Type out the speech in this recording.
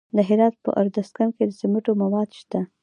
د هرات په ادرسکن کې د سمنټو مواد شته.